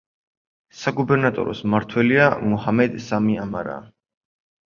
საგუბერნატოროს მმართველია მუჰამედ სამი ამარა.